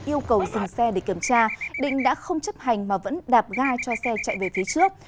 yêu cầu dừng xe để kiểm tra định đã không chấp hành mà vẫn đạp ga cho xe chạy về phía trước